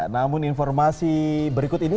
namun informasi berikut ini